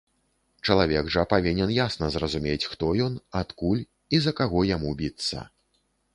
Чалавек жа павінен ясна зразумець, хто ён, адкуль і за каго яму біцца!